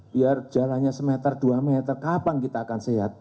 biar jalannya semester dua meter kapan kita akan sehat